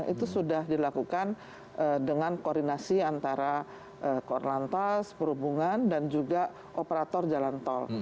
itu sudah dilakukan dengan koordinasi antara korlantas perhubungan dan juga operator jalan tol